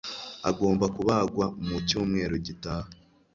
agomba kubagwa mu cyumweru gitaha